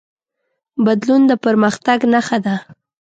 بدلون د پرمختګ نښه ده.